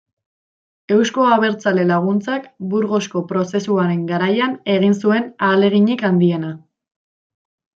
Eusko Abertzale Laguntzak Burgosko Prozesuaren garaian egin zuen ahaleginik handiena.